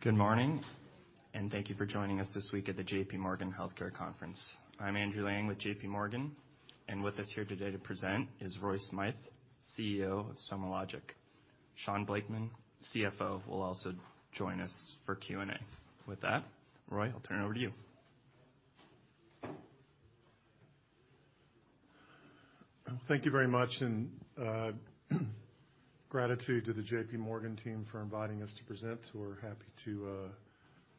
Good morning. Thank you for joining us this week at the J.P. Morgan Healthcare Conference. I'm Andrew Lang with JP Morgan, and with us here today to present is Roy Smythe, CEO of SomaLogic. Shaun Blakeman, CFO, will also join us for Q&A. With that, Roy, I'll turn it over to you. Thank you very much, gratitude to the J.P. Morgan team for inviting us to present. We're happy to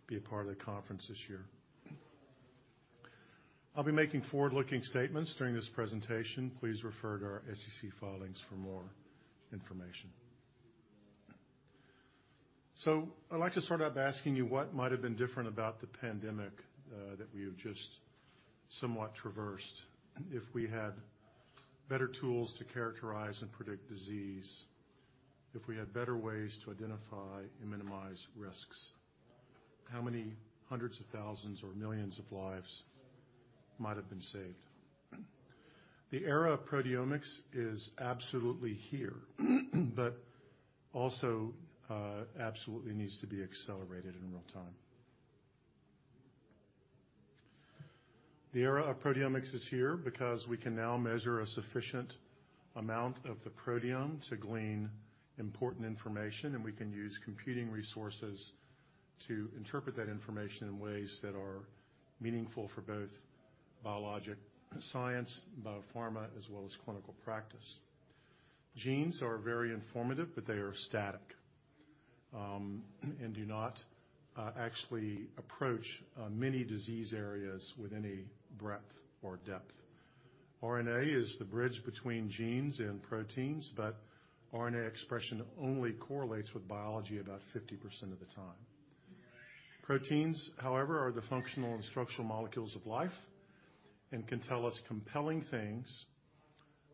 be a part of the conference this year. I'll be making forward-looking statements during this presentation. Please refer to our SEC filings for more information. I'd like to start out by asking you what might've been different about the pandemic that we have just somewhat traversed if we had better tools to characterize and predict disease, if we had better ways to identify and minimize risks. How many hundreds of thousands or millions of lives might have been saved? The era of proteomics is absolutely here, but also absolutely needs to be accelerated in real time. The era of proteomics is here because we can now measure a sufficient amount of the proteome to glean important information, and we can use computing resources to interpret that information in ways that are meaningful for both biologic science, biopharma, as well as clinical practice. Genes are very informative, but they are static, and do not actually approach many disease areas with any breadth or depth. RNA is the bridge between genes and proteins, but RNA expression only correlates with biology about 50% of the time. Proteins, however, are the functional and structural molecules of life and can tell us compelling things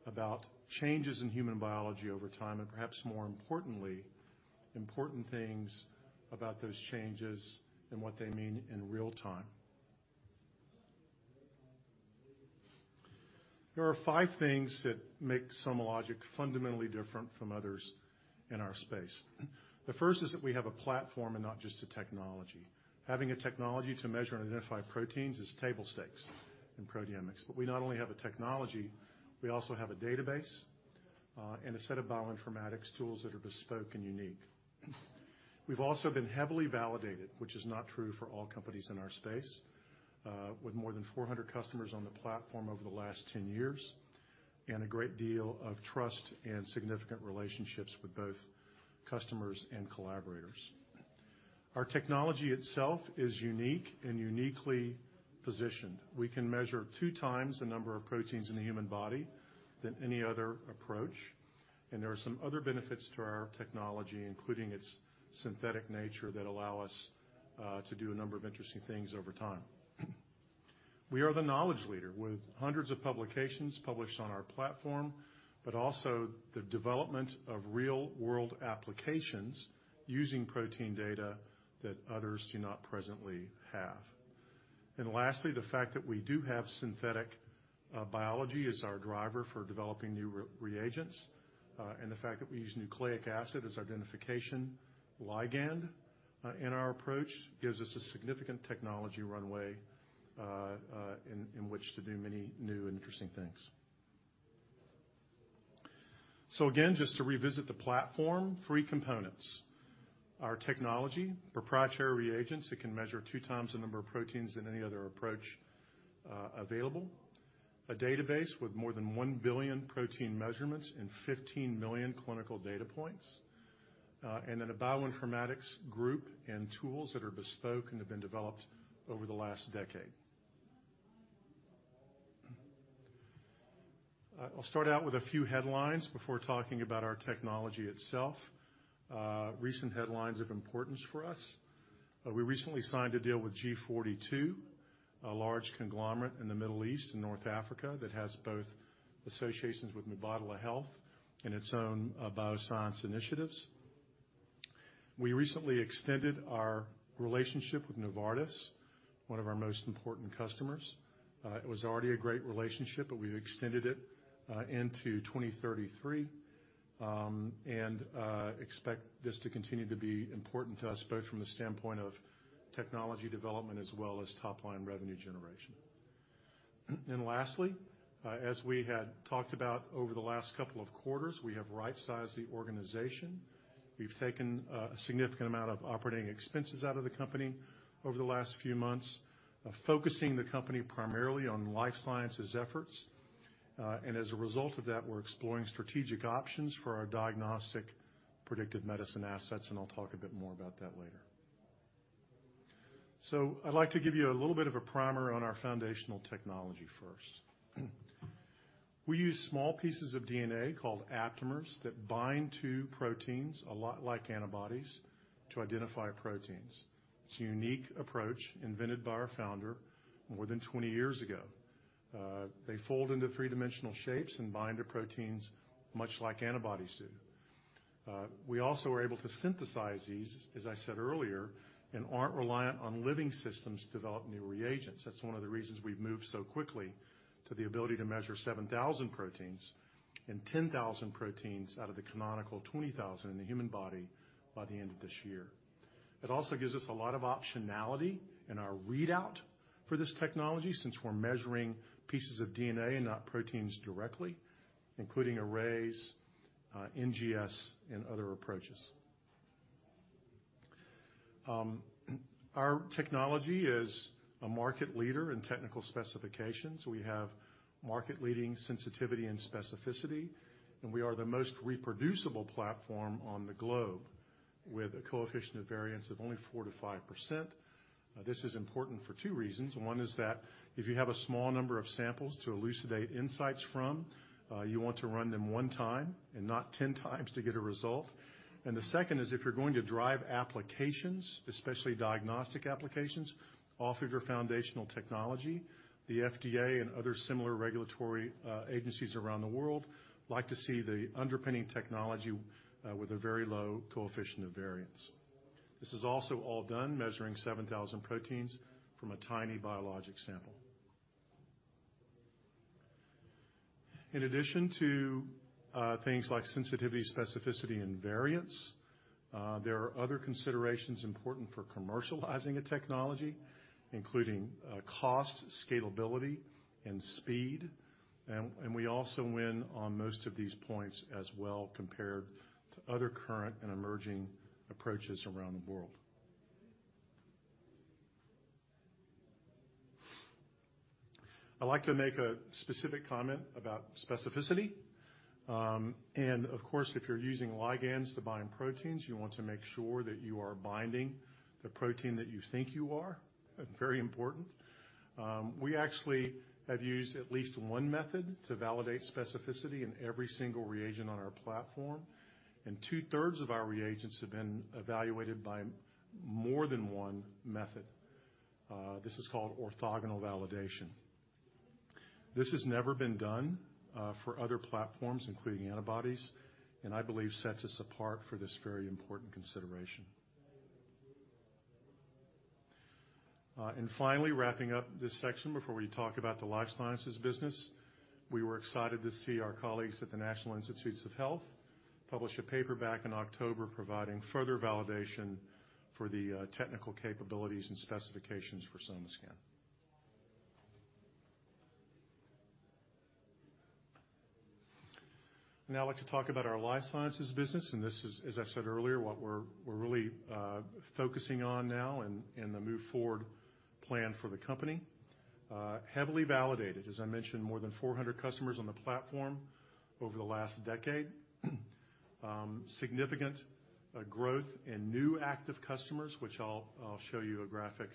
about changes in human biology over time, and perhaps more importantly, important things about those changes and what they mean in real time. There are 5 things that make SomaLogic fundamentally different from others in our space. The first is that we have a platform and not just a technology. Having a technology to measure and identify proteins is table stakes in proteomics. We not only have a technology, we also have a database and a set of bioinformatics tools that are bespoke and unique. We've also been heavily validated, which is not true for all companies in our space, with more than 400 customers on the platform over the last 10 years, and a great deal of trust and significant relationships with both customers and collaborators. Our technology itself is unique and uniquely positioned. We can measure 2 times the number of proteins in the human body than any other approach, and there are some other benefits to our technology, including its synthetic nature that allow us to do a number of interesting things over time. We are the knowledge leader with hundreds of publications published on our platform, also the development of real-world applications using protein data that others do not presently have. Lastly, the fact that we do have synthetic biology is our driver for developing new reagents, and the fact that we use nucleic acid as our identification ligand in our approach, gives us a significant technology runway in which to do many new and interesting things. Again, just to revisit the platform, 3 components. Our technology, proprietary reagents that can measure 2 times the number of proteins than any other approach available. A database with more than 1 billion protein measurements and 15 million clinical data points. Then a bioinformatics group and tools that are bespoke and have been developed over the last decade. I'll start out with a few headlines before talking about our technology itself. Recent headlines of importance for us. We recently signed a deal with G42, a large conglomerate in the Middle East and North Africa that has both associations with Mubadala Health and its own bioscience initiatives. We recently extended our relationship with Novartis, one of our most important customers. It was already a great relationship, but we extended it into 2033. Expect this to continue to be important to us, both from the standpoint of technology development as well as top-line revenue generation. Lastly, as we had talked about over the last couple of quarters, we have right-sized the organization. We've taken a significant amount of operating expenses out of the company over the last few months, focusing the company primarily on life sciences efforts. As a result of that, we're exploring strategic options for our diagnostic predictive medicine assets, and I'll talk a bit more about that later. I'd like to give you a little bit of a primer on our foundational technology first. We use small pieces of DNA called aptamers that bind to proteins, a lot like antibodies, to identify proteins. It's a unique approach invented by our founder more than 20 years ago. They fold into three-dimensional shapes and bind to proteins much like antibodies do. We also are able to synthesize these, as I said earlier, and aren't reliant on living systems to develop new reagents. That's one of the reasons we've moved so quickly to the ability to measure 7,000 proteins and 10,000 proteins out of the canonical 20,000 in the human body by the end of this year. It also gives us a lot of optionality in our readout for this technology, since we're measuring pieces of DNA and not proteins directly, including arrays, NGS, and other approaches. Our technology is a market leader in technical specifications. We have market-leading sensitivity and specificity, and we are the most reproducible platform on the globe, with a coefficient of variation of only 4%-5%. This is important for two reasons. One is that if you have a small number of samples to elucidate insights from, you want to run them one time and not 10 times to get a result. The second is if you're going to drive applications, especially diagnostic applications, off of your foundational technology, the FDA and other similar regulatory agencies around the world like to see the underpinning technology with a very low coefficient of variation. This is also all done measuring 7,000 proteins from a tiny biologic sample. In addition to things like sensitivity, specificity, and variance, there are other considerations important for commercializing a technology, including cost, scalability, and speed. We also win on most of these points as well, compared to other current and emerging approaches around the world. I'd like to make a specific comment about specificity. Of course, if you're using ligands to bind proteins, you want to make sure that you are binding the protein that you think you are. Very important. We actually have used at least one method to validate specificity in every single reagent on our platform, and two-thirds of our reagents have been evaluated by more than one method. This is called orthogonal validation. This has never been done for other platforms, including antibodies. I believe sets us apart for this very important consideration. Finally, wrapping up this section before we talk about the life sciences business, we were excited to see our colleagues at the National Institutes of Health publish a paper back in October providing further validation for the technical capabilities and specifications for SomaScan. Now I'd like to talk about our life sciences business. This is, as I said earlier, what we're really focusing on now in the move forward plan for the company. Heavily validated, as I mentioned, more than 400 customers on the platform over the last decade. Significant growth in new active customers, which I'll show you a graphic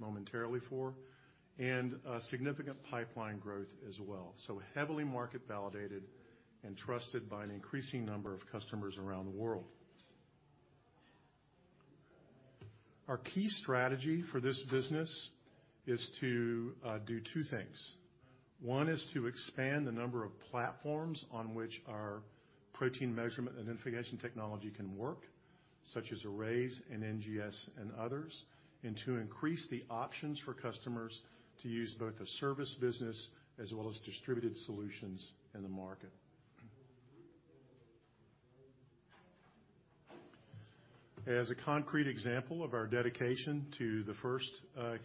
momentarily for, significant pipeline growth as well. Heavily market-validated and trusted by an increasing number of customers around the world. Our key strategy for this business is to do two things. One is to expand the number of platforms on which our protein measurement identification technology can work, such as arrays and NGS and others, and to increase the options for customers to use both a service business as well as distributed solutions in the market. As a concrete example of our dedication to the first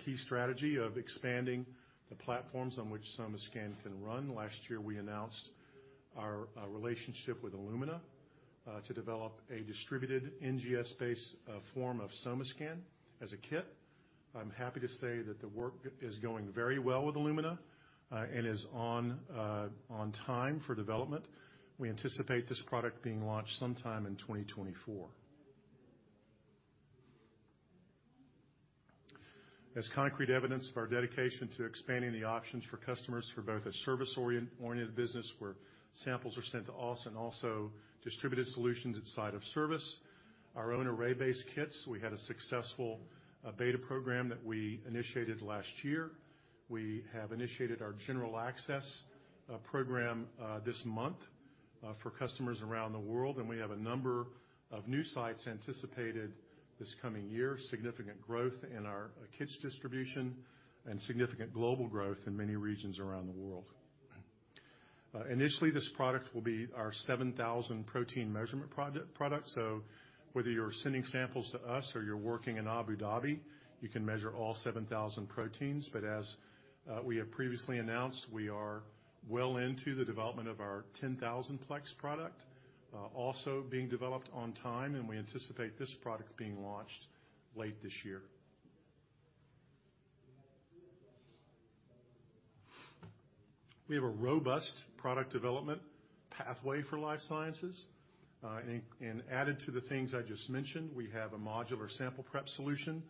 key strategy of expanding the platforms on which SomaScan can run, last year we announced our relationship with Illumina to develop a distributed NGS-based form of SomaScan as a kit. I'm happy to say that the work is going very well with Illumina and is on time for development. We anticipate this product being launched sometime in 2024. As concrete evidence of our dedication to expanding the options for customers for both a service-oriented business where samples are sent to us and also distributed solutions inside of service, our own array-based kits, we had a successful beta program that we initiated last year. We have initiated our general access program this month for customers around the world. We have a number of new sites anticipated this coming year, significant growth in our kits distribution and significant global growth in many regions around the world. Initially, this product will be our 7,000 protein measurement product. Whether you're sending samples to us or you're working in Abu Dhabi, you can measure all 7,000 proteins. As we have previously announced, we are well into the development of our 10,000 plex product, also being developed on time, and we anticipate this product being launched late this year. We have a robust product development pathway for life sciences. Added to the things I just mentioned, we have a modular sample prep solution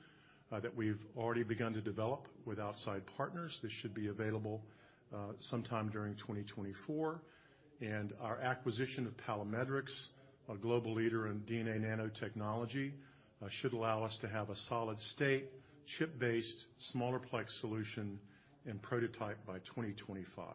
that we've already begun to develop with outside partners. This should be available sometime during 2024. Our acquisition of Palamedrix, a global leader in DNA nanotechnology, should allow us to have a solid-state, chip-based, smaller plex solution and prototype by 2025.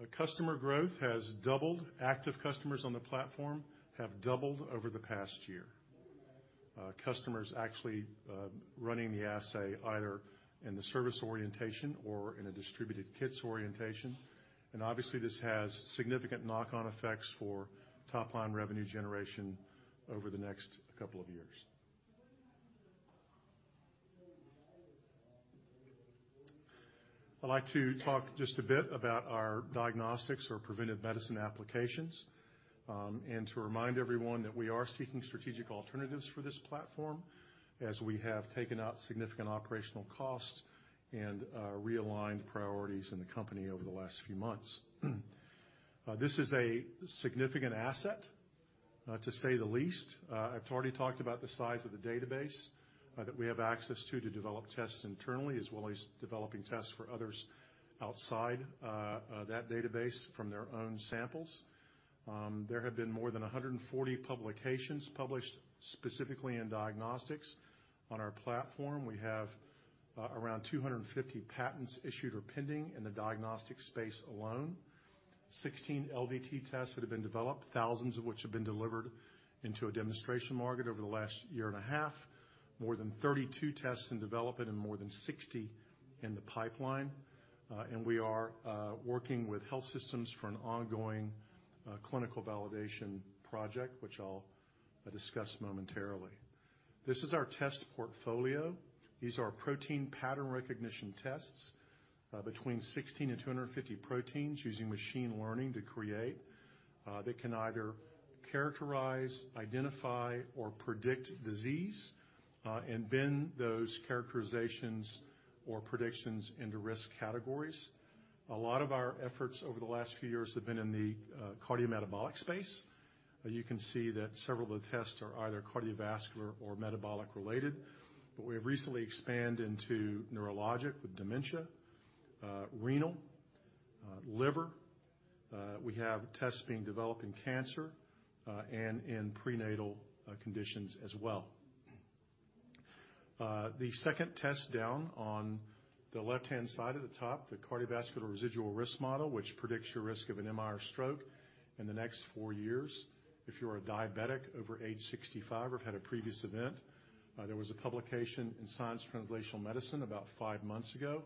Our customer growth has doubled. Active customers on the platform have doubled over the past year. Customers actually running the assay either in the service orientation or in a distributed kits orientation. Obviously, this has significant knock-on effects for top-line revenue generation over the next couple of years. I'd like to talk just a bit about our diagnostics or preventive medicine applications, and to remind everyone that we are seeking strategic alternatives for this platform as we have taken out significant operational costs and realigned priorities in the company over the last few months. This is a significant asset, to say the least. I've already talked about the size of the database that we have access to develop tests internally, as well as developing tests for others outside that database from their own samples. There have been more than 140 publications published specifically in diagnostics. On our platform, we have around 250 patents issued or pending in the diagnostic space alone. 16 LDT tests that have been developed, thousands of which have been delivered into a demonstration market over the last year and a half. More than 32 tests in development and more than 60 in the pipeline. We are working with health systems for an ongoing clinical validation project, which I'll discuss momentarily. This is our test portfolio. These are protein pattern recognition tests, between 16 and 250 proteins using machine learning to create that can either characterize, identify, or predict disease and bin those characterizations or predictions into risk categories. A lot of our efforts over the last few years have been in the cardiometabolic space. You can see that several of the tests are either cardiovascular or metabolic related, but we have recently expanded into neurologic with dementia, renal, liver. We have tests being developed in cancer, and in prenatal conditions as well. The second test down on the left-hand side at the top, the Residual cardiovascular risk model, which predicts your risk of an MI or stroke in the next 4 years if you're a diabetic over age 65 or have had a previous event. There was a publication in Science Translational Medicine about 5 months ago,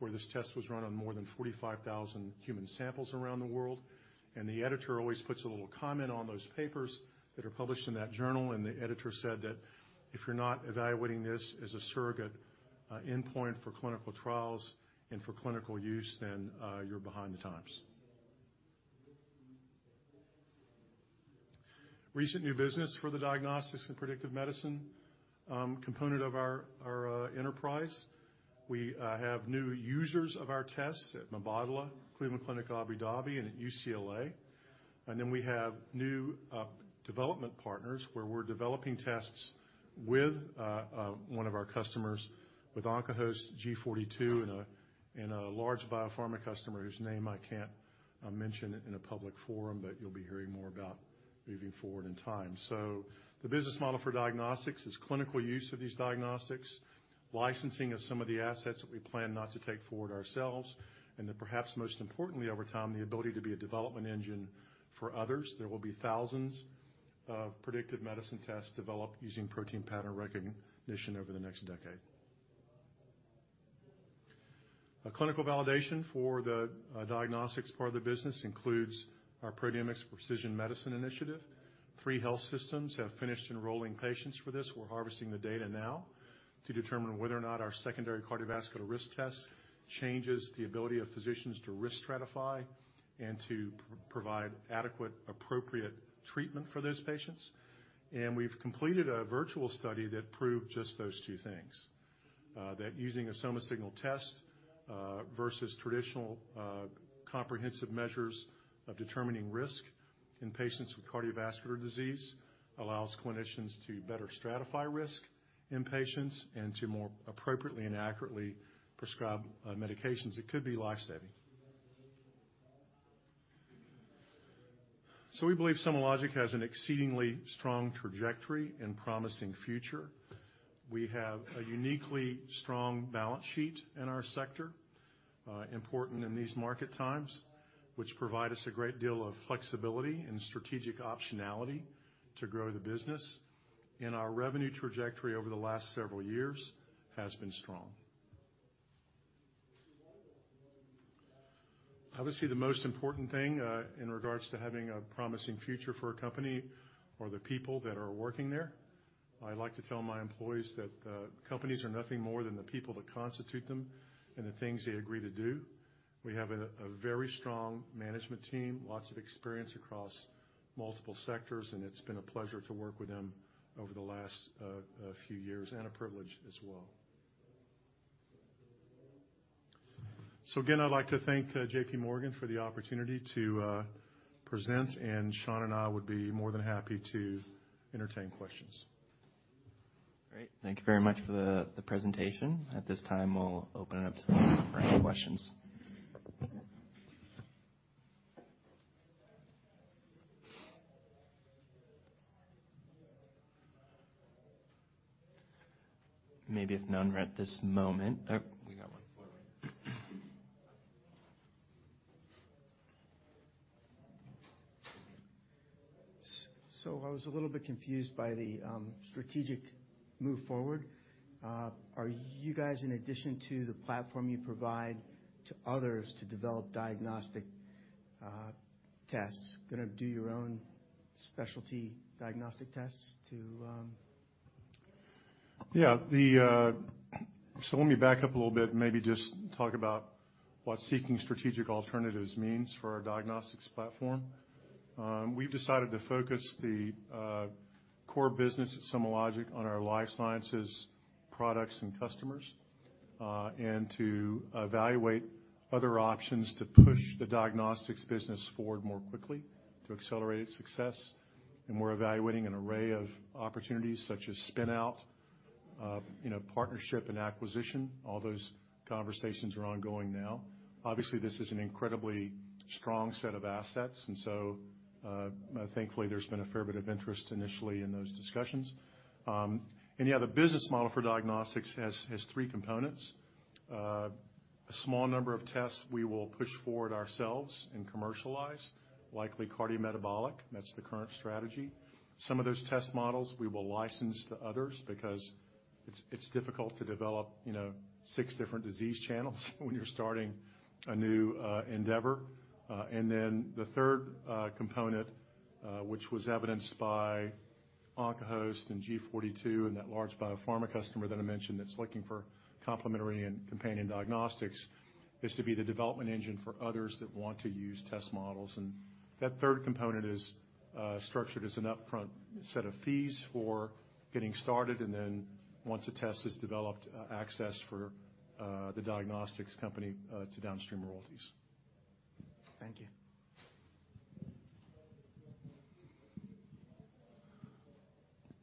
where this test was run on more than 45,000 human samples around the world. The editor always puts a little comment on those papers that are published in that journal, and the editor said that if you're not evaluating this as a surrogate endpoint for clinical trials and for clinical use, then you're behind the times. Recent new business for the diagnostics and predictive medicine component of our enterprise. We have new users of our tests at Mubadala, Cleveland Clinic - Abu Dhabi, and at UCLA. We have new development partners where we're developing tests with one of our customers, with OncoHost, G42 and a large biopharma customer whose name I can't mention in a public forum, but you'll be hearing more about moving forward in time. The business model for diagnostics is clinical use of these diagnostics, licensing of some of the assets that we plan not to take forward ourselves, and then perhaps most importantly, over time, the ability to be a development engine for others. There will be thousands of predictive medicine tests developed using protein pattern recognition over the next decade. A clinical validation for the diagnostics part of the business includes our proteomics precision medicine initiative. Three health systems have finished enrolling patients for this. We're harvesting the data now to determine whether or not our secondary cardiovascular risk test changes the ability of physicians to risk stratify and to provide adequate, appropriate treatment for those patients. We've completed a virtual study that proved just those two things. That using a SomaSignal test versus traditional comprehensive measures of determining risk in patients with cardiovascular disease allows clinicians to better stratify risk in patients and to more appropriately and accurately prescribe medications. It could be life-saving. We believe SomaLogic has an exceedingly strong trajectory and promising future. We have a uniquely strong balance sheet in our sector, important in these market times, which provide us a great deal of flexibility and strategic optionality to grow the business. Our revenue trajectory over the last several years has been strong. Obviously, the most important thing, in regards to having a promising future for a company are the people that are working there. I like to tell my employees that, companies are nothing more than the people that constitute them and the things they agree to do. We have a very strong management team, lots of experience across multiple sectors, and it's been a pleasure to work with them over the last few years, and a privilege as well. Again, I'd like to thank JP Morgan for the opportunity to present, and Shaun and I would be more than happy to entertain questions. Great. Thank you very much for the presentation. At this time, we'll open it up to everyone for any questions. Maybe if none right this moment. We got one floor. I was a little bit confused by the strategic move forward. Are you guys, in addition to the platform you provide to others to develop diagnostic tests gonna do your own specialty diagnostic tests to? Yeah. The. Let me back up a little bit and maybe just talk about what seeking strategic alternatives means for our diagnostics platform. We've decided to focus the core business at SomaLogic on our life sciences products and customers, and to evaluate other options to push the diagnostics business forward more quickly to accelerate success. We're evaluating an array of opportunities such as spin out, partnership and acquisition. All those conversations are ongoing now. Obviously, this is an incredibly strong set of assets, so thankfully, there's been a fair bit of interest initially in those discussions. The business model for diagnostics has three components. A small number of tests we will push forward ourselves and commercialize, likely cardiometabolic. That's the current strategy. Some of those test models we will license to others because it's difficult to develop, six different disease channels when you're starting a new endeavor. Then the third component, which was evidenced by OncoHost and G42 and that large biopharma customer that I mentioned that's looking for complementary and companion diagnostics, is to be the development engine for others that want to use test models. That third component is structured as an upfront set of fees for getting started, and then once a test is developed, access for the diagnostics company to downstream royalties. Thank you.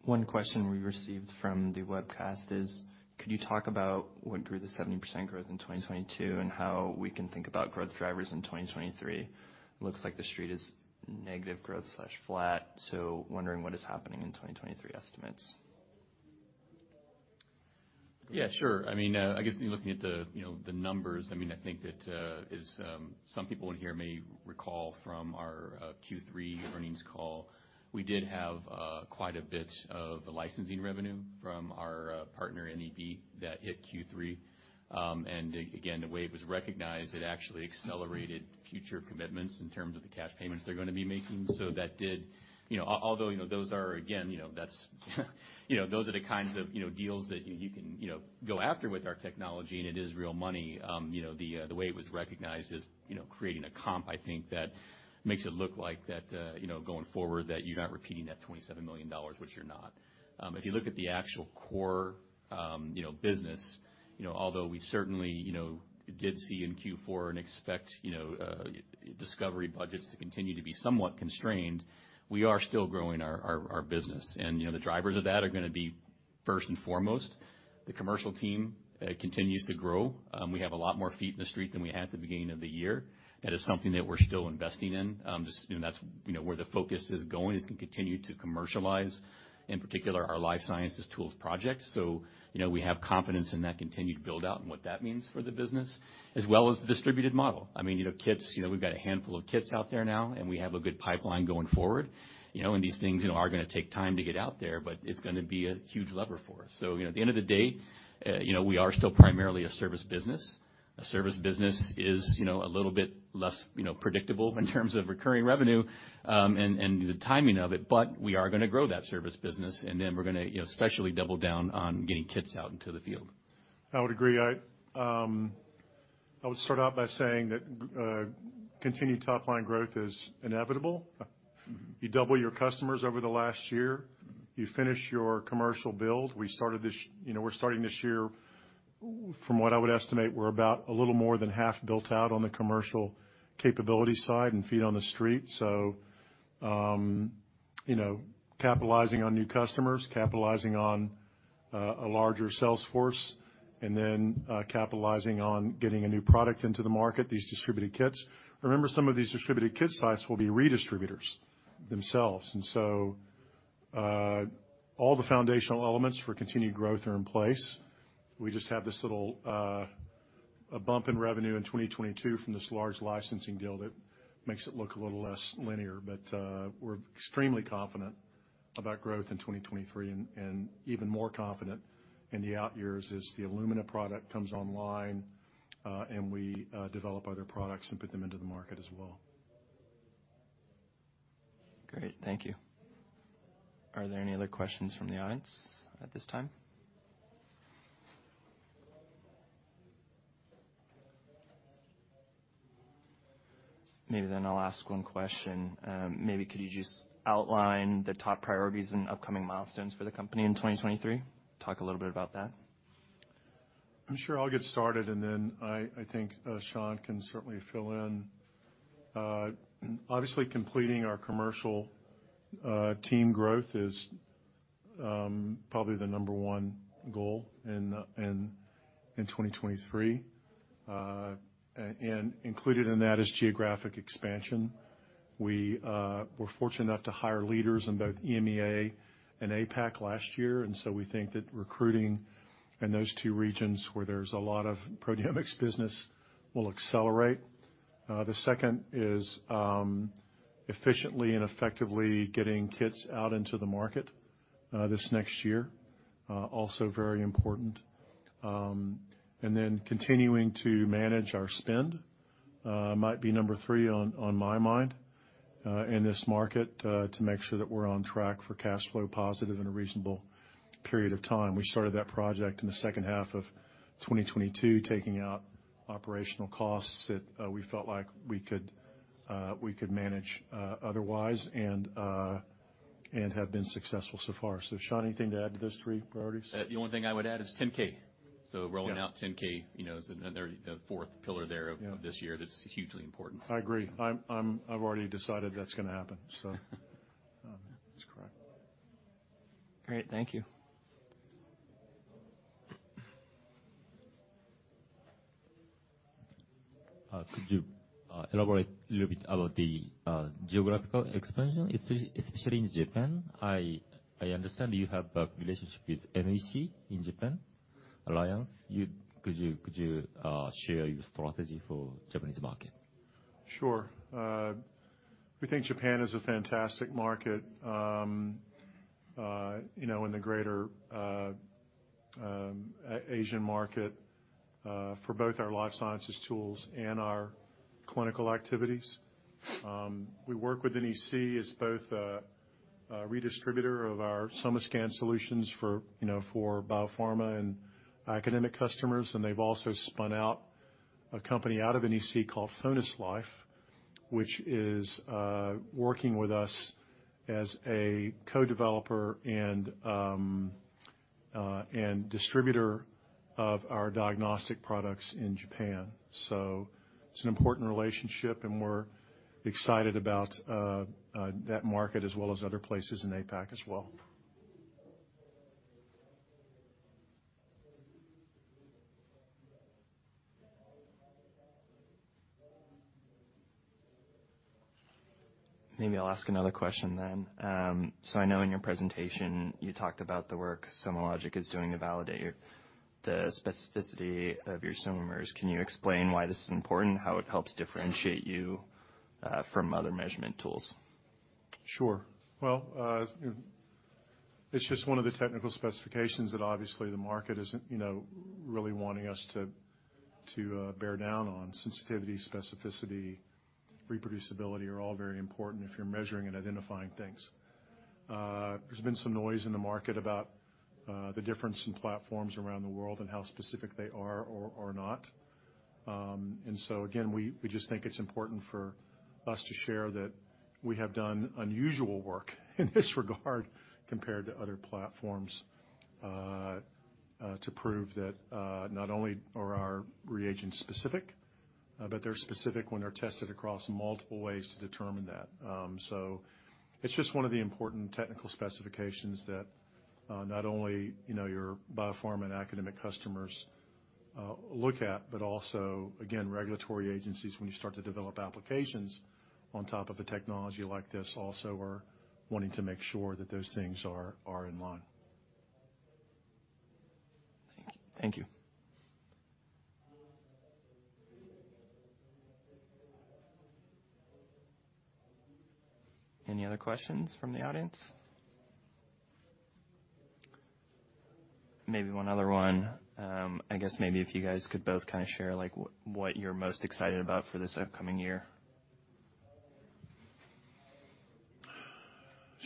One question we received from the webcast is, could you talk about what grew the 70% growth in 2022 and how we can think about growth drivers in 2023? Looks like the street is negative growth slash flat, so wondering what is happening in 2023 estimates. Yeah, sure. I mean, I guess looking at the numbers, I mean, I think that, as, some people in here may recall from our Q3 earnings call, we did have quite a bit of licensing revenue from our partner, NEB, that hit Q3. Again, the way it was recognized, it actually accelerated future commitments in terms of the cash payments they're gonna be making. That did. You know, although, those are again, that's, those are the kinds of, deals that you can, go after with our technology, and it is real money. You know, the way it was recognized is, creating a comp that makes it look like going forward, that you're not repeating that $27 million, which you're not. If you look at the actual core business, although we certainly did see in Q4 and expect discovery budgets to continue to be somewhat constrained, we are still growing our business. The drivers of that are gonna be, first and foremost, the commercial team continues to grow. We have a lot more feet in the street than we had at the beginning of the year. That is something that we're still investing in. Just, you know, that's, where the focus is going as we continue to commercialize, in particular, our life sciences tools projects. You know, we have confidence in that continued build-out and what that means for the business, as well as the distributed model. I mean, kits, we've got a handful of kits out there now, and we have a good pipeline going forward. You know, these things, are gonna take time to get out there, but it's gonna be a huge lever for us. You know, at the end of the day, we are still primarily a service business. A service business is, a little bit less, predictable in terms of recurring revenue, and the timing of it. We are gonna grow that service business. We're gonna, know, especially double down on getting kits out into the field. I would agree. I would start out by saying that continued top line growth is inevitable. You double your customers over the last year. You finish your commercial build. We started this, we're starting this year from what I would estimate, we're about a little more than half built out on the commercial capability side and feet on the street. You know, capitalizing on new customers, capitalizing on a larger sales force, capitalizing on getting a new product into the market, these distributed kits. Remember, some of these distributed kit sites will be redistributors themselves. All the foundational elements for continued growth are in place. We just have this little bump in revenue in 2022 from this large licensing deal that makes it look a little less linear. We're extremely confident about growth in 2023 and even more confident in the out years as the Illumina product comes online, and we, develop other products and put them into the market as well. Great. Thank you. Are there any other questions from the audience at this time? Maybe I'll ask one question. Maybe could you just outline the top priorities and upcoming milestones for the company in 2023? Talk a little bit about that. I'm sure I'll get started. I think Shaun can certainly fill in. Obviously completing our commercial team growth is probably the number one goal in 2023. Included in that is geographic expansion. We were fortunate enough to hire leaders in both EMEA and APAC last year. We think that recruiting in those two regions where there's a lot of proteomics business will accelerate. The second is efficiently and effectively getting kits out into the market this next year, also very important. Continuing to manage our spend might be number three on my mind in this market to make sure that we're on track for cash flow positive in a reasonable period of time. We started that project in the second half of 2022, taking out operational costs that we felt like we could we could manage otherwise, and have been successful so far. Shaun, anything to add to those three priorities? The only thing I would add is 10K. Yeah. Rolling out 10K, is another, a fourth pillar there. Yeah Of this year that's hugely important. I agree. I've already decided that's gonna happen. That's correct. Great. Thank you. Could you elaborate a little bit about the geographical expansion, especially in Japan? I understand you have a relationship with NEC in Japan, alliance. Could you share your strategy for Japanese market? Sure. We think Japan is a fantastic market, in the greater Asian market, for both our life sciences tools and our clinical activities. We work with NEC as both a redistributor of our SomaScan solutions for, for biopharma and academic customers, they've also spun out a company out of NEC called FoundaLife, which is working with us as a co-developer and distributor of our diagnostic products in Japan. It's an important relationship, and we're excited about that market as well as other places in APAC as well. Maybe I'll ask another question. I know in your presentation you talked about the work SomaLogic is doing to validate the specificity of your SOMAmer. Can you explain why this is important, how it helps differentiate you from other measurement tools? Sure. Well, it's just one of the technical specifications that obviously the market isn't, really wanting us to bear down on. Sensitivity, specificity, reproducibility are all very important if you're measuring and identifying things. There's been some noise in the market about the difference in platforms around the world and how specific they are or not. Again, we just think it's important for us to share that we have done unusual work in this regard compared to other platforms to prove that not only are our reagents specific, but they're specific when they're tested across multiple ways to determine that. It's just one of the important technical specifications that not only, your biopharma and academic customers look at, but also, again, regulatory agencies, when you start to develop applications on top of a technology like this, also are wanting to make sure that those things are in line. Thank you. Any other questions from the audience? Maybe one other one. I guess maybe if you guys could both kind of share, like, what you're most excited about for this upcoming year.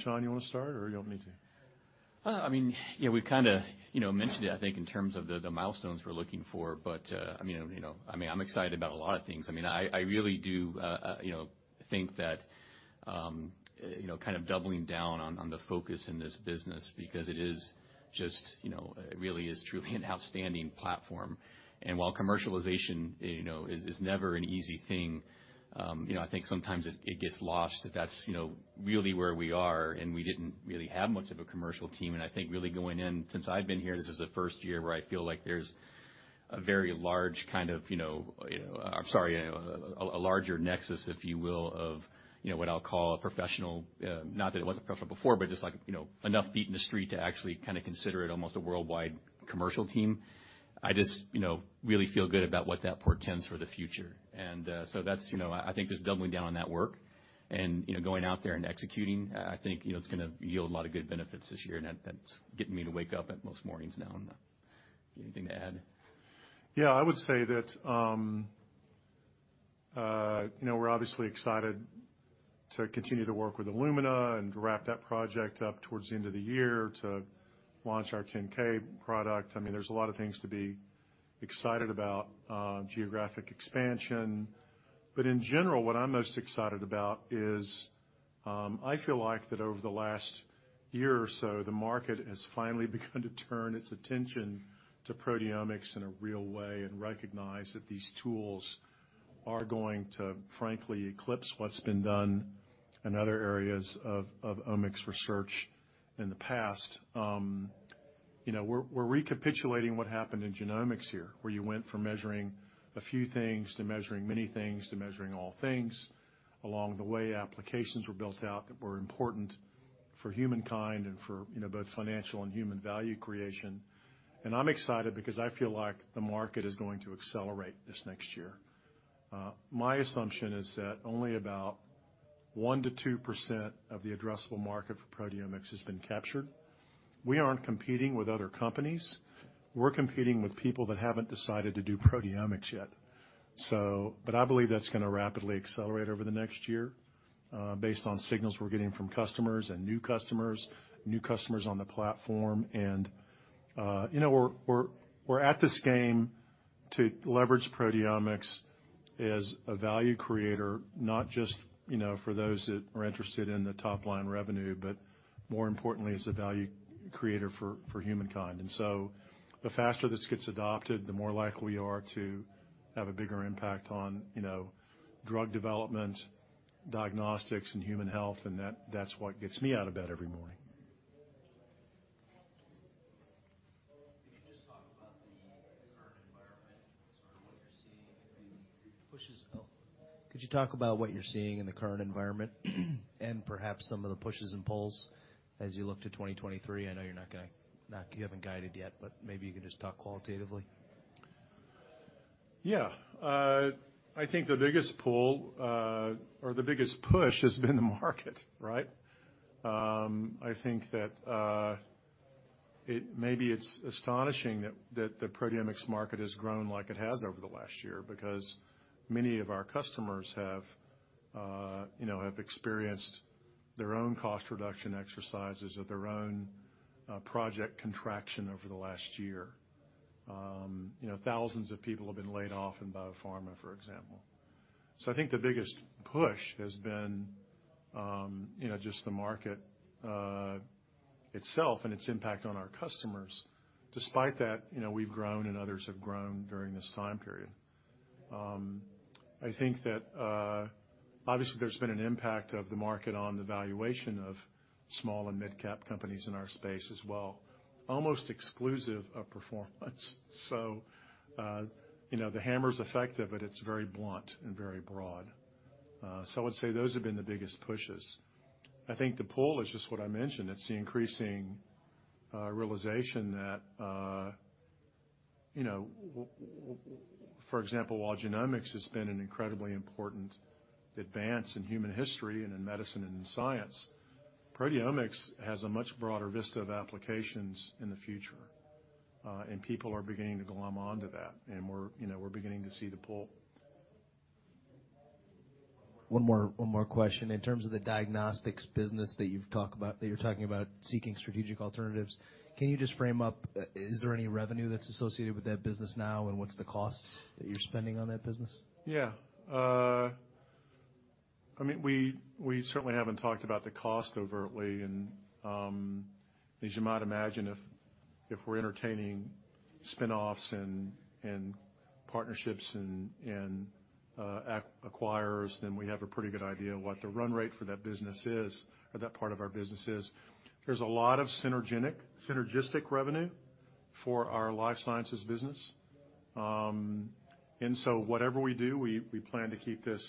Shaun, you wanna start, or you want me to? I mean, yeah, we've kinda, mentioned it, I think, in terms of the milestones we're looking for. I mean, I'm excited about a lot of things. I mean, I really do, think that, kind of doubling down on the focus in this business because it is just, it really is truly an outstanding platform. While commercialization, is never an easy thing, I think sometimes it gets lost that that's, really where we are, and we didn't really have much of a commercial team. I think really going in, since I've been here, this is the first year where I feel like there's a very large kind of, you know. I'm sorry, a larger nexus, if you will, of, what I'll call a professional, not that it wasn't professional before, but just like, enough feet in the street to actually kinda consider it almost a worldwide commercial team. I just, really feel good about what that portends for the future. That's, I think just doubling down on that work and, going out there and executing, I think, it's gonna yield a lot of good benefits this year, and that's getting me to wake up at most mornings now. Anything to add? Yeah, I would say that, we're obviously excited to continue to work with Illumina and to wrap that project up towards the end of the year, to launch our 10K product. I mean, there's a lot of things to be excited about, geographic expansion. In general, what I'm most excited about is, I feel like that over the last year or so, the market has finally begun to turn its attention to proteomics in a real way and recognize that these tools are going to frankly eclipse what's been done in other areas of omics research in the past. You know, we're recapitulating what happened in genomics here, where you went from measuring a few things to measuring many things, to measuring all things. Along the way, applications were built out that were important for humankind and for, both financial and human value creation. I'm excited because I feel like the market is going to accelerate this next year. My assumption is that only about 1% to 2% of the addressable market for proteomics has been captured. We aren't competing with other companies. We're competing with people that haven't decided to do proteomics yet. I believe that's gonna rapidly accelerate over the next year, based on signals we're getting from customers and new customers, new customers on the platform, and, we're at this game to leverage proteomics as a value creator, not just, for those that are interested in the top-line revenue, but more importantly as a value creator for humankind. The faster this gets adopted, the more likely we are to have a bigger impact on, drug development, diagnostics, and human health, and that's what gets me out of bed every morning. Could you talk about what you're seeing in the current environment and perhaps some of the pushes and pulls as you look to 2023? I know you're not gonna you haven't guided yet, but maybe you can just talk qualitatively. Yeah. I think the biggest pull, or the biggest push has been the market, right? I think that, maybe it's astonishing that the proteomics market has grown like it has over the last year, because many of our customers have, have experienced their own cost reduction exercises or their own project contraction over the last year. You know, thousands of people have been laid off in biopharma, for example. I think the biggest push has been, just the market itself and its impact on our customers. Despite that, we've grown and others have grown during this time period. I think that, obviously there's been an impact of the market on the valuation of small and mid-cap companies in our space as well, almost exclusive of performance. The hammer's effective, but it's very blunt and very broad. I'd say those have been the biggest pushes. I think the pull is just what I mentioned. It's the increasing realization that, for example, while genomics has been an incredibly important advance in human history and in medicine and in science, proteomics has a much broader vista of applications in the future, and people are beginning to glom onto that. We're, beginning to see the pull. One more question. In terms of the diagnostics business that you're talking about seeking strategic alternatives, can you just frame up, is there any revenue that's associated with that business now, and what's the costs that you're spending on that business? Yeah. I mean, we certainly haven't talked about the cost overtly. As you might imagine, if we're entertaining spinoffs and partnerships and acquirers, we have a pretty good idea what the run rate for that business is, or that part of our business is. There's a lot of synergistic revenue for our life sciences business. Whatever we do, we plan to keep this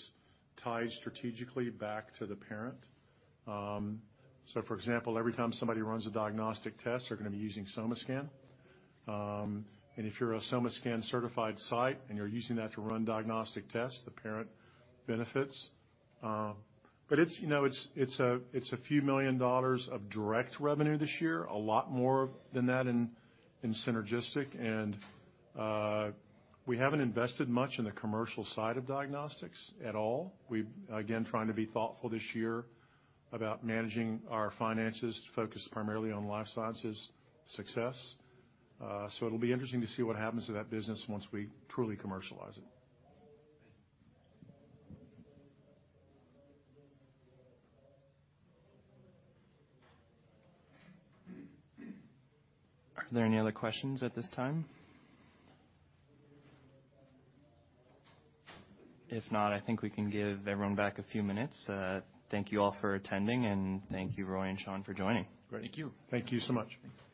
tied strategically back to the parent. For example, every time somebody runs a diagnostic test, they're gonna be using SomaScan. If you're a SomaScan certified site and you're using that to run diagnostic tests, the parent benefits. It's, a few million dollars of direct revenue this year, a lot more than that in synergistic. We haven't invested much in the commercial side of diagnostics at all. again, trying to be thoughtful this year about managing our finances to focus primarily on life sciences success. it'll be interesting to see what happens to that business once we truly commercialize it. Are there any other questions at this time? If not, I think we can give everyone back a few minutes. Thank you all for attending, and thank you, Roy and Shaun, for joining. Great. Thank you. Thank you so much. Thanks.